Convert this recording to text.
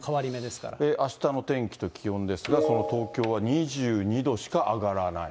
あしたの天気と気温ですが、その東京は２２度しか上がらない。